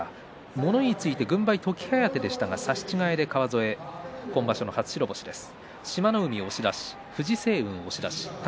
物言いがついて軍配時疾風でしたが差し違えで川副、本場所の初白星です。